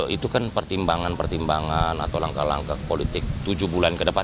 itu kan pertimbangan pertimbangan atau langkah langkah politik tujuh bulan ke depan